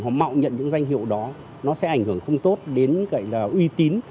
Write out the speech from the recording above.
họ mạo nhận những danh hiệu đó nó sẽ ảnh hưởng không tốt đến uy tín